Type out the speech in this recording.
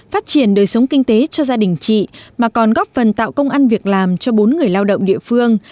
phát triển đời sống kinh tế cho gia đình chị mà còn góp phần tạo công ăn việc làm cho bốn người lao động địa phương